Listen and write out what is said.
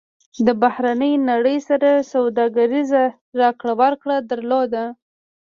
له بهرنۍ نړۍ سره سوداګریزه راکړه ورکړه درلوده.